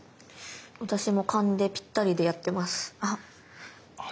私も勘でぴったりでやってます。